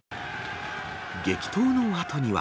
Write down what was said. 激闘のあとには。